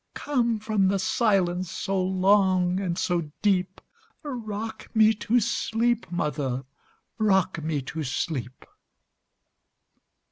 Come from the silence so long and so deep;—Rock me to sleep, mother,—rock me to sleep!